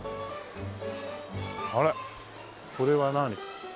あれこれは何？